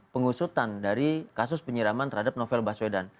pengusutan dari kasus penyiraman terhadap novel baswedan